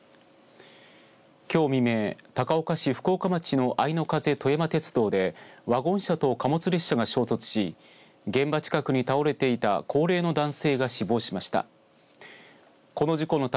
きょう未明、高岡市福岡町のあいの風とやま鉄道でワゴン車と貨物列車が衝突し現場近くに倒れていた高齢の男性が死亡しました。